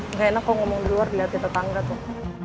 nggak enak kok ngomong di luar dilihat kita tangga tuh